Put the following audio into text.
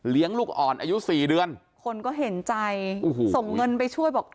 ลูกอ่อนอายุสี่เดือนคนก็เห็นใจโอ้โหส่งเงินไปช่วยบอก